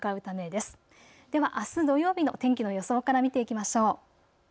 ではあす土曜日の天気の予想から見ていきましょう。